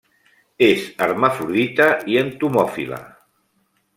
És hermafrodita i entomòfila.